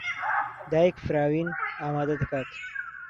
دایک فراوین ئامادە دەکات.